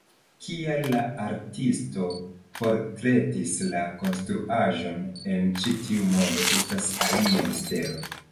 Kial la artisto portretis la konstruaĵon en ĉi tiu modo estas alia mistero.